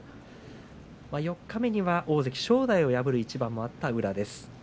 四日目には大関正代を破る一番があった宇良です。